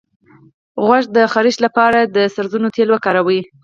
د غوږ د خارش لپاره د سرسونو تېل وکاروئ